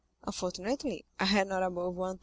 Unfortunately, I had not above 1,500.